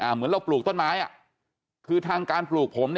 เหมือนเราปลูกต้นไม้คือทางการปลูกผม